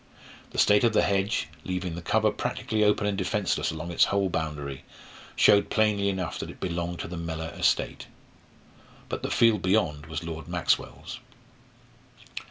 The state of the hedge, leaving the cover practically open and defenceless along its whole boundary, showed plainly enough that it belonged to the Mellor estate. But the field beyond was Lord Maxwell's.